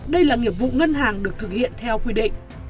đây là nghiệp vụ ngân hàng được thực hiện theo quy định